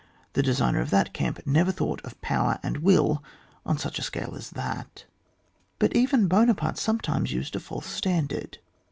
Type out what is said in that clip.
The designer of that camp never thought of power and will on such a sosde as that. But even Buonaparte sometimes used a false standard.